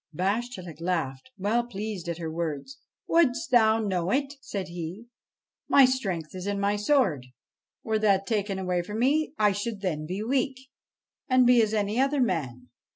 Bashtchelik laughed, well pleased at her words. ' Wouldst thou know it ?' said he. ' My strength is in my sword ; were that taken from me I should then be weak, and be as another man.'